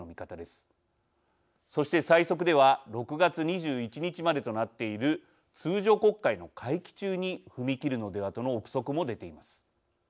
そして最速では６月２１日までとなっている通常国会の会期中に踏み切るのではとの臆測も出ています。